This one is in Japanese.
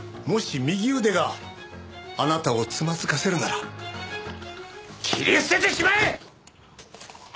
もし右腕があなたをつまずかせるなら切り捨ててしまえ！